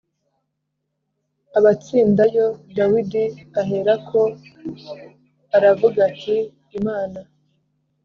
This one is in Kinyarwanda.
Abatsindayo dawidi aherako aravuga ati imana